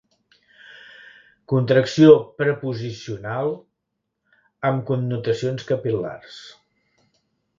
Contracció preposicional amb connotacions capil·lars.